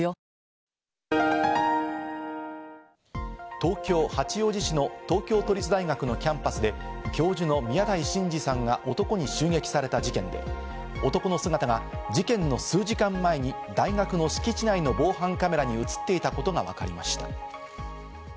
東京・八王子市の東京都立大学のキャンパスで、教授の宮台真司さんが男に襲撃された事件で、男の姿が事件の数時間前に大学の敷地内の防犯カメラに映っていたことがわかりました。